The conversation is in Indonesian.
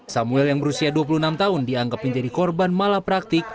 samuel yang berusia dua puluh enam tahun dianggap menjadi korban malah praktik